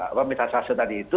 apa metastase tadi itu